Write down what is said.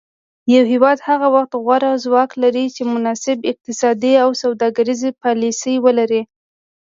یو هیواد هغه وخت غوره ځواک لري چې مناسب اقتصادي او سوداګریزې پالیسي ولري